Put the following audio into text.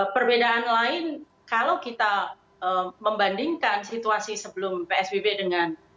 perbedaan lain kalau kita membandingkan situasi sebelum psbb dengan